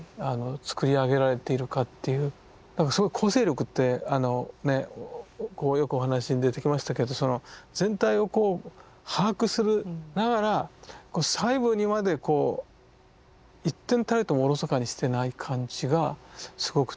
だから構成力ってねよくお話に出てきましたけどその全体を把握するながら細部にまでこう一点たりともおろそかにしてない感じがすごくてね。